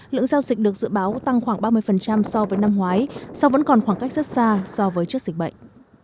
lượng giao dịch được dự báo tăng khoảng ba mươi so với năm ngoái song vẫn còn khoảng cách rất xa so với trước dịch bệnh